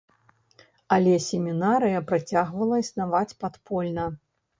Але семінарыя працягвала існаваць падпольна.